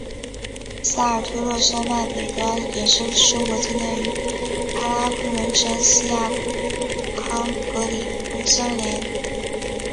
萨尔托洛山脉北端延伸至中国境内与喀喇昆仑山锡亚康戈里峰相连。